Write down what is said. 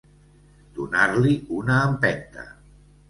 Donar-li una empenta.